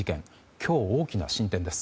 今日大きな進展です。